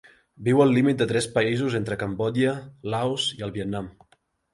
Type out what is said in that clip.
Viu al límit de tres països entre Cambodja, Laos i el Vietnam.